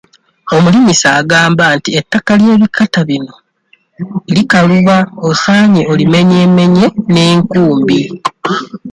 Omulimisa agamba nti ettaka ly'ebikata bino likaluba osaanye olimenyeemenye n'enkumbi.